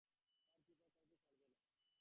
তাঁর কৃপা কাউকে ছাড়বে না।